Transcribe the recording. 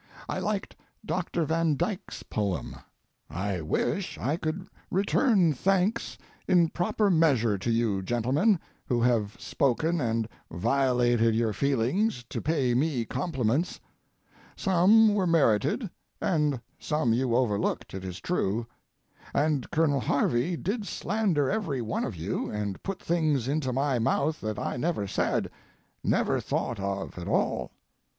I liked Doctor Van Dyke's poem. I wish I could return thanks in proper measure to you, gentlemen, who have spoken and violated your feelings to pay me compliments; some were merited and some you overlooked, it is true; and Colonel Harvey did slander every one of you, and put things into my mouth that I never said, never thought of at all.